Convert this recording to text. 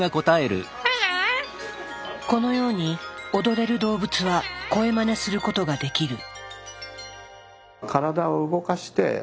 このように踊れる動物は声マネすることができる。